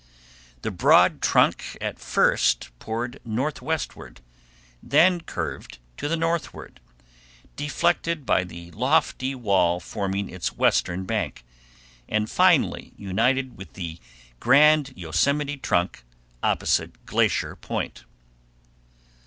The broad trunk at first poured northwestward, then curved to the northward, deflected by the lofty wall forming its western bank, and finally united with the grand Yosemite trunk, opposite Glacier Point.